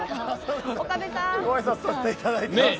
ごあいさつさせていただいています。